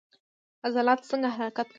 عضلات څنګه حرکت کوي؟